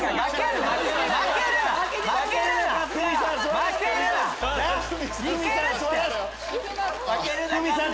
負けるな！